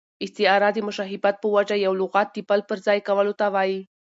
استعاره د مشابهت په وجه یو لغت د بل پر ځای کارولو ته وايي.